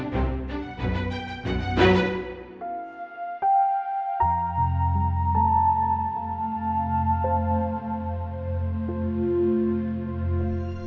semoga tuhan selalu menjaganya